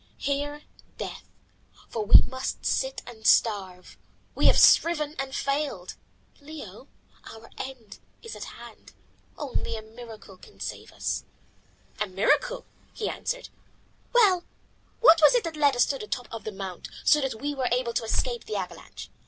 Here death, for we must sit and starve. We have striven and failed. Leo, our end is at hand. Only a miracle can save us." "A miracle," he answered. "Well, what was it that led us to the top of the mount so that we were able to escape the avalanche?